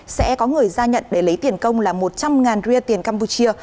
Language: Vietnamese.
sẽ có người ra nhận để lấy tiền công là một trăm linh ria tiền campuchia